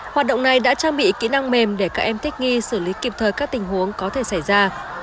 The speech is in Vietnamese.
hoạt động này đã trang bị kỹ năng mềm để các em thích nghi xử lý kịp thời các tình huống có thể xảy ra